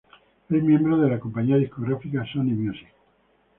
Es miembro de la compañía discográfica "Sony Music".